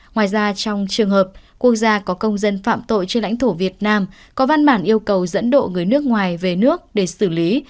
ngoài ra trong trường hợp quốc gia có công dân phạm tội trên lãnh thổ việt nam có văn bản yêu cầu dẫn độ người nước ngoài về nước để xử lý